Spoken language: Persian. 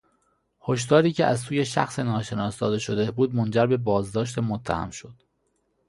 هشداری که از سوی شخص ناشناس داده شده بود منجر به بازداشت متهم شد.